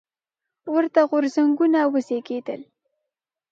ورته غورځنګونه وزېږېدل.